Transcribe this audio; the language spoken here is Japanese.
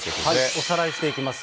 おさらいしていきます。